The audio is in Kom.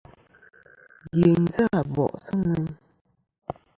Dyèyn ji Abòʼ sɨ̂ ŋweyn.